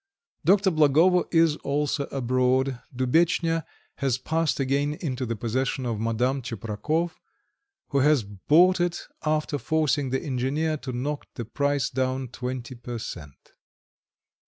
Dr. Blagovo is also abroad. Dubetchnya has passed again into the possession of Madame Tcheprakov, who has bought it after forcing the engineer to knock the price down twenty per cent.